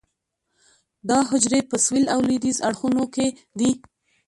دا حجرې په سویل او لویدیځ اړخونو کې دي.